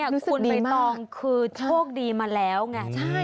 คุณใบตองคือโชคดีมาแล้วไง